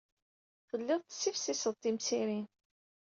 Tellid tessifsised timsirin.